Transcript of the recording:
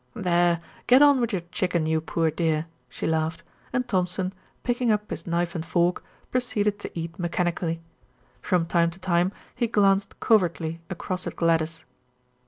"There, get on with your chicken, you poor dear," she laughed, and Thompson, picking up his knife and fork, proceeded to eat mechanically. From time to time he glanced covertly across at Gladys.